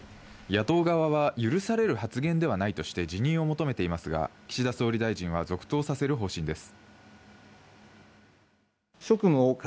野党側は許される発言ではないとして辞任を求めていますが、岸田総理大臣は続投させる方針です。